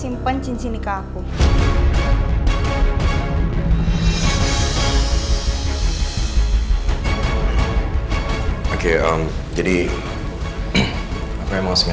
meeting selesai kalian boleh pulang